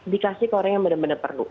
dikasih ke orang yang benar benar perlu